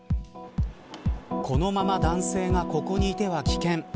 このまま男性がここにいては危険。